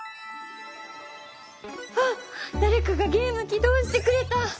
あっだれかがゲーム起動してくれた！